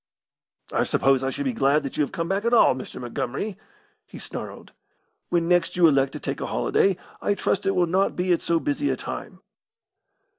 "I suppose I should be glad that you have come back at all, Mr. Montgomery!" he snarled. "When next you elect to take a holiday, I trust it will not be at so busy a time."